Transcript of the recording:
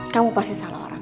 kamu pasti salah orang